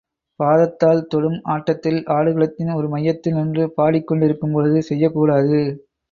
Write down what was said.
பாதத்தால் தொடும் ஆட்டத்தில், ஆடுகளத்தின் ஒரு மையத்தில் நின்று பாடிக் கொண்டிருக்கும் பொழுது செய்யக்கூடாது.